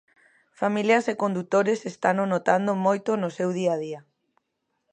Familias e condutores estano notando moito no seu día a día.